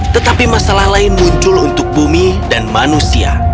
tetapi masalah lain muncul untuk bumi dan manusia